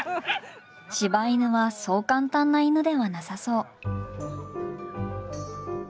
柴犬はそう簡単な犬ではなさそう。